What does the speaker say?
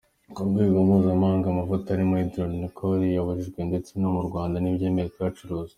Ku rwego mpuzamahanga, amavuta arimo Hydroquinone yarabujijwe ndetse no mu Rwanda ntibyemewe kuyacuruza.